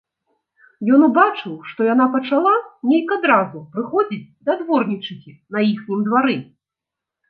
Ён убачыў, што яна пачала нейк адразу прыходзіць да дворнічыхі на іхнім двары.